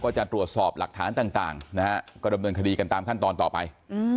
จะตรวจสอบหลักฐานต่างนะฮะก็ดำเนินคดีกันตามขั้นตอนต่อไป